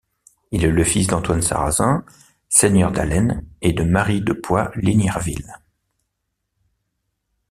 Il est le fils d'Antoine Sarazin, seigneur d'Allenes et de Marie de Poix-Lignervilles.